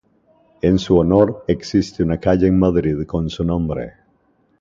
En su honor, existe una calle en Madrid con su nombre.